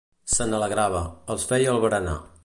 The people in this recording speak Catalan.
Se n'alegrava, els feia el berenar.